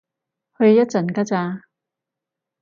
去一陣㗎咋